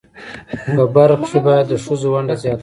په برخه کښی باید د خځو ونډه ځیاته شی